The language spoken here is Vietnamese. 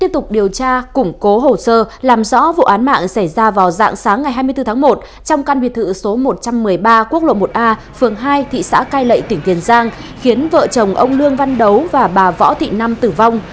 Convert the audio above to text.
trước đó ngày hai mươi bốn tháng một trong căn biệt thự số một trăm một mươi ba quốc lộ một a phường hai thị xã cai lệ tỉnh tiền giang khiến vợ chồng ông lương văn đấu và bà võ thị năm tử vong